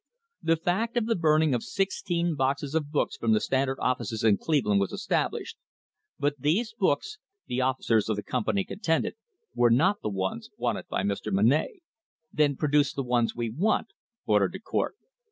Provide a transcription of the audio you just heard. The fact of the burning of sixteen boxes of books from the Standard offices in Cleveland was estab lished, but these books, the officers of the company contended, were not the ones wanted by Mr. Monnett. "Then produce the ones we want," ordered the court.